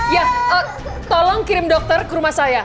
ya tolong kirim dokter ke rumah saya